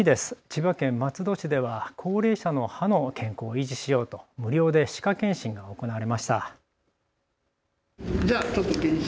千葉県松戸市では高齢者の歯の健康を維持しようと無料で歯科健診が行われました。